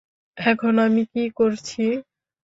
এখন আমি কি করছি?